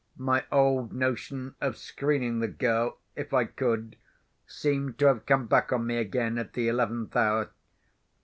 My old notion of screening the girl, if I could, seemed to have come back on me again, at the eleventh hour.